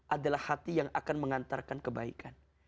adalah hati yang akan mengantarkan kebaikan